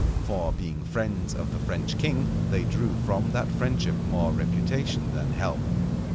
For being friends of the French king they drew from that friendship more reputation than help.